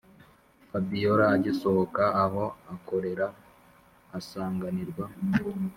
fabiora agisohoka aho akorera asanganirwa